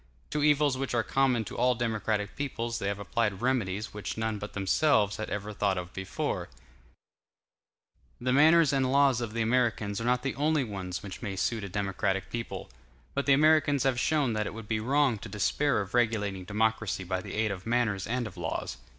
To evils which are common to all democratic peoples they have applied remedies which none but themselves had ever thought of before; and although they were the first to make the experiment, they have succeeded in it. The manners and laws of the Americans are not the only ones which may suit a democratic people; but the Americans have shown that it would be wrong to despair of regulating democracy by the aid of manners and of laws.